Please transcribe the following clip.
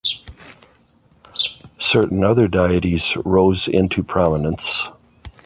Certain other deities rose into prominence.